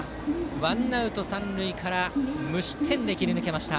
ワンアウト三塁から無失点で切り抜けました。